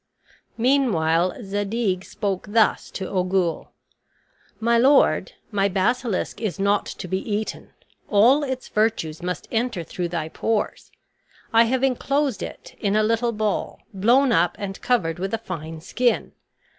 Meanwhile Zadig spoke thus to Ogul: "My lord, my basilisk is not to be eaten; all its virtues must enter through thy pores. I have inclosed it in a little ball, blown up and covered with a fine skin.